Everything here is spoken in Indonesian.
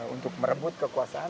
untuk merebut kekuasaan